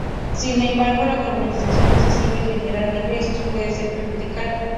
Sin embargo, la comercialización excesiva y generación de ingresos puede ser perjudicial.